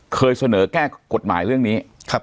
เคยเสนอแก้กฎหมายเรื่องนี้